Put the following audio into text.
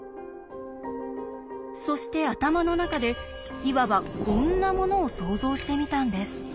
そして頭の中でいわばこんなものを想像してみたんです。